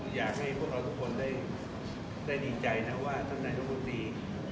อยากให้พวกเราทุกคนได้ดีใจนะว่าท่านนายรัฐมนตรี